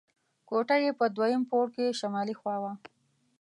کوټه یې په دویم پوړ کې شمالي خوا وه.